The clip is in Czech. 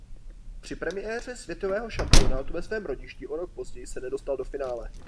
Při premiéře světového šampionátu ve svém rodišti o rok později se nedostal do finále.